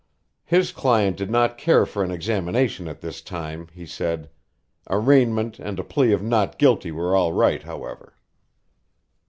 His client did not care for an examination at this time, he said. Arraignment and a plea of not guilty were all right, however.